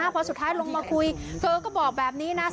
พอสุดท้ายลงมาคุยเธอก็บอกแบบนี้นะ